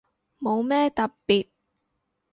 冇咩特別